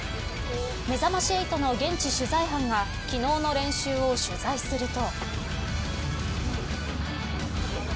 めざまし８の現地取材班が昨日の練習を取材すると。